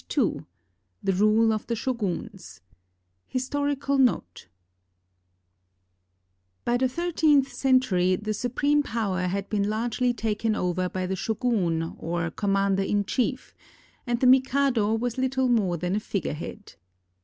II THE RULE OF THE SHOGUNS HISTORICAL NOTE By the thirteenth century the supreme power had been largely taken over by the shogun or commander in chief, and the mikado was little more than a figurehead.